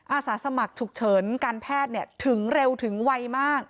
อาสาสมัครฉุกเฉินการแพทย์ถึงเร็วถึงไวมาก